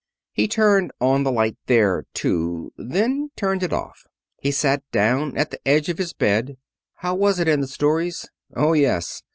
He turned on the light there, too, then turned it off. He sat down at the edge of his bed. How was it in the stories? Oh, yes!